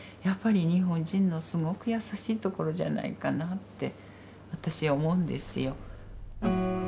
やっぱり日本人のすごく優しいところじゃないかなって私は思うんですよ。